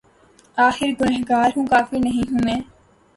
آخر گناہگار ہوں‘ کافر نہیں ہوں میں